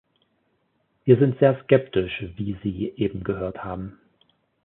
Wir sind sehr skeptisch, wie Sie eben gehört haben.